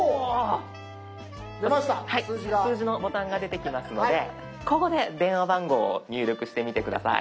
数字のボタンが出てきますのでここで電話番号を入力してみて下さい。